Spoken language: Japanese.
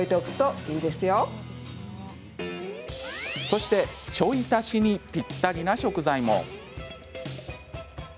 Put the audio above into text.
そして、ちょい足しにぴったりな食材も。